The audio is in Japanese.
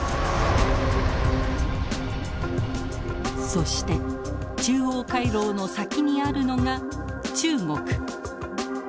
そして中央回廊の先にあるのが中国。